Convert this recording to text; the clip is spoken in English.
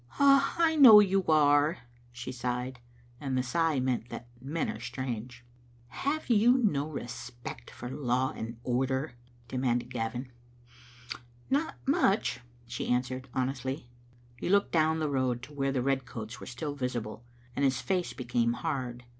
"I know you are," she sighed, and the sigh meant that men are strange. " Have you no respect for law and order?" demanded Gavin. " Not much," she answered, honestly. He looked down the road to where the red coats were still visible, and his face became hard.